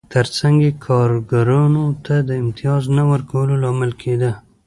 ترڅنګ یې کارګرانو ته د امتیاز نه ورکولو لامل کېده